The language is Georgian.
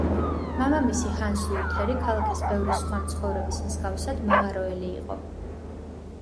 მამამისი, ჰანს ლუთერი, ქალაქის ბევრი სხვა მცხოვრების მსგავსად მაღაროელი იყო.